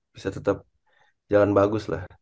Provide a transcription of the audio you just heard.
bisa tetap jalan bagus lah